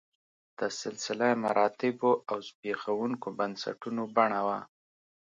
د سلسله مراتبو او زبېښونکو بنسټونو بڼه وه